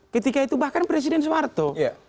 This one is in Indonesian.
ketika itu bahkan presiden soeharto